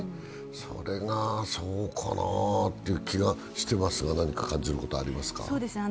それが、そうかなという気がしていますが、何か感じることはありますか？